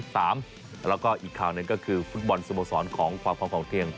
แล้วก็อีกข่าวหนึ่งก็คือฟุตบอลสโมสรของความพร้อมของเที่ยง